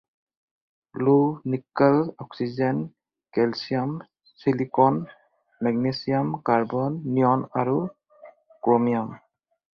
লো, nickel, oxygen, calcium, silicon, magnesium, carbon, neon আৰু chromium.